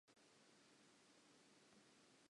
Tlo o tlo bona mekudubete nokeng.